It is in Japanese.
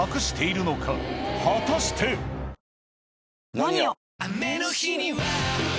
「ＮＯＮＩＯ」！